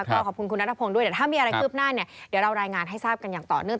ก็ขอบคุณคุณนัทพงศ์ด้วยเดี๋ยวถ้ามีอะไรคืบหน้าเนี่ยเดี๋ยวเรารายงานให้ทราบกันอย่างต่อเนื่อง